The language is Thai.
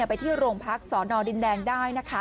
ไปที่โรงพักสอนอดินแดงได้นะคะ